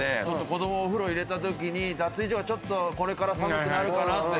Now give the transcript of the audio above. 子供お風呂入れたときに脱衣所これから寒くなるかなと。